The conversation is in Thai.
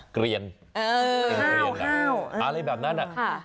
เกลียนอะไรแบบนั้น